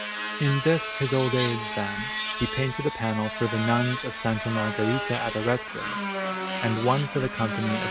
In this his old age, then, he painted a panel for the Nuns of S. Margherita at Arezzo, and one for the Company of S.